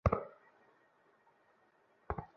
এই লোকটাকে রাস্তা থেকে সরিয়ে দিতে হবে!